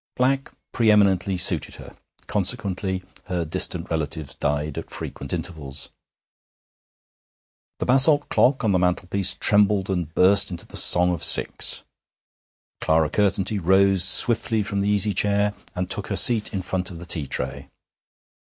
Black pre eminently suited her. Consequently her distant relatives died at frequent intervals. The basalt clock on the mantelpiece trembled and burst into the song of six. Clara Curtenty rose swiftly from the easy chair, and took her seat in front of the tea tray.